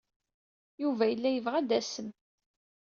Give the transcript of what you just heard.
Yuba yella yebɣa ad d-tasem.